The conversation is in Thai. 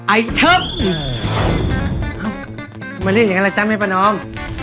ไอ้เธอมเออมาเล่นอย่างนั้นแหละจ๊ะแม่ประนอม